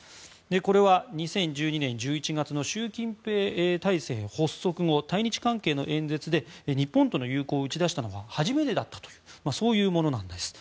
これは２０１２年１１月の習近平体制発足後対日関係の演説で日本との友好を打ち出したのは初めてだったというものなんです。